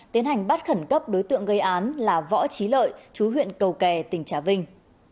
tiến hành bắt khẩn cấp đối tượng gây án là võ trí lợi chú huyện cầu kè tỉnh trà vinh